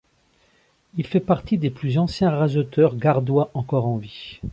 Il fait partie des plus anciens raseteurs gardois encore en vie.